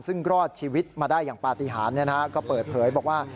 ซึ่งรอดชีวิตมาได้อย่างปฏิหารก็เปิดเผยบอกว่า